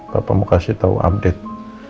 papa mau kasih tau update